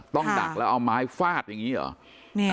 ต้องดักแล้วเอาไม้ฟาดอย่างงี้เหรอเนี่ย